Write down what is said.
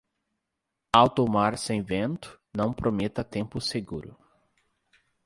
Alto mar sem vento, não prometa tempo seguro.